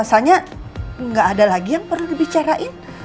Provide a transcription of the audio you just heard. rasanya nggak ada lagi yang perlu dibicarain